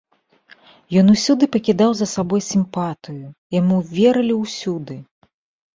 Ён усюды пакідаў за сабой сімпатыю, яму верылі ўсюды.